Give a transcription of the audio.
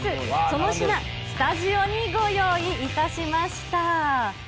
その品、スタジオにご用意いたしました。